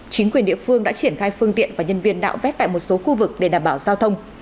chính quyền địa phương đã triển khai phương tiện và nhân viên nạo vét tại một số khu vực để đảm bảo giao thông